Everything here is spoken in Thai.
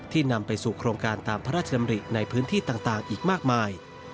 นำไปสู่โครงการตามพระราชดำริในพื้นที่ต่างอีกมากมาย